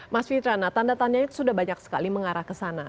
mas fitrana tanda tandanya sudah banyak sekali mengarah ke sana